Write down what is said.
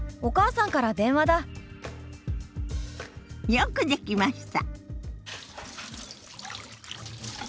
よくできました。